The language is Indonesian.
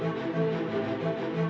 jadi kita harus mencari yang lebih baik